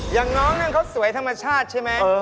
อย่างน้องนั่นเขาสวยธรรมชาติใช่ไหม